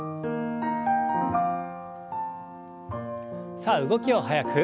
さあ動きを速く。